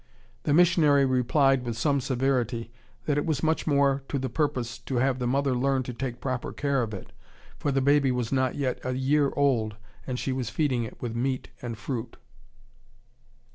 The missionary replied with some severity that it was much more to the purpose to have the mother learn to take proper care of it, for the baby was not yet a year old and she was feeding it with meat and fruit.